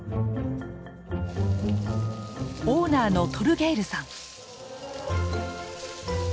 オーナーのトルゲイルさん。